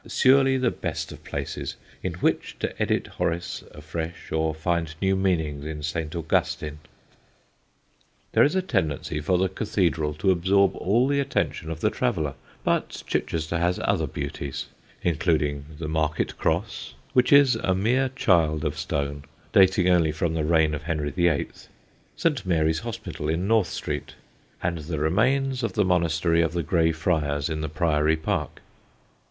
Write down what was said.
Surely the best of places in which to edit Horace afresh or find new meanings in St. Augustine. [Illustration: Chichester Cross.] There is a tendency for the cathedral to absorb all the attention of the traveller, but Chichester has other beauties, including the Market Cross, which is a mere child of stone, dating only from the reign of Henry VIII.; St. Mary's Hospital in North Street; and the remains of the monastery of the Grey Friars in the Priory Park.